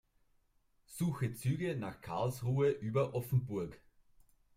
Suche Züge nach Karlsruhe über Offenburg.